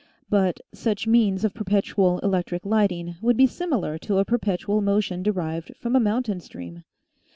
But such means of perpet ual electric lighting would be similar to a perpetual motion derived from a mountain stream.